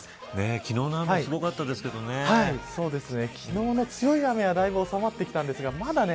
昨日の雨すごかったですけどね。